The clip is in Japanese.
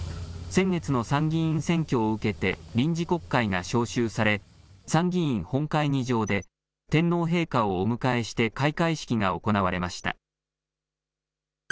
先月の参議院選挙を受けて臨時国会が召集され参議院本会議場で天皇陛下をお迎えして開会式が行われました。